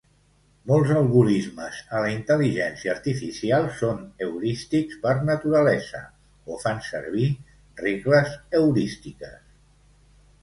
Molts algorismes a la intel·ligència artificial són heurístics per naturalesa, o fan servir regles heurístiques.